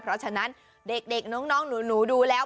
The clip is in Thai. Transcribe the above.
เพราะฉะนั้นเด็กน้องหนูดูแล้ว